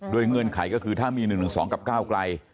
ด้วยเงื่อนไขก็คือถ้ามี๑๑๒กับ๙ไกล